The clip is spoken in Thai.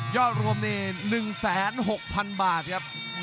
รวมนี่๑๖๐๐๐บาทครับ